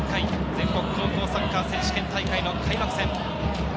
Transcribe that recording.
第１０１回全国高校サッカー選手権大会の開幕戦。